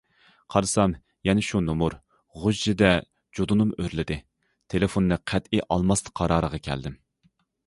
قارىسام يەنە شۇ نومۇر، غۇژژىدە جۇدۇنۇم ئۆرلىدى، تېلېفوننى قەتئىي ئالماسلىق قارارىغا كەلدىم.